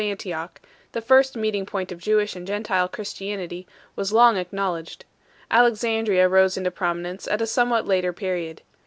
139 Antioch, the first meeting point of Jewish and Gentile Christianity, was long acknowledged. Alexandria 1 rose into prominence at a somewhat later period.